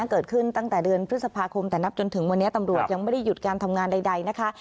เกิดขึ้นตั้งแต่เดือนพฤษภาคมแต่นับจนถึงวันนี้ตำรวจยังไม่ได้หยุดการทำงานใดนะคะ